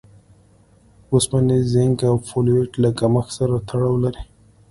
اوسپنې، زېنک او فولېټ له کمښت سره تړاو لري.